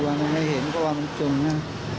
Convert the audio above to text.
ว่าไม่เห็นก็ว่ามันจงน่ะ